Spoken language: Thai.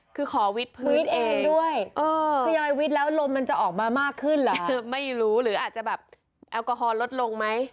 คือขอวิทย์พื้นเองด้วยทยอยวิทย์แล้วลมมันจะออกมามากขึ้นเหรอไม่รู้หรืออาจจะแบบแอลกอฮอลลดลงไหม